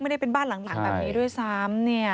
ไม่ได้เป็นบ้านหลังแบบนี้ด้วยซ้ำ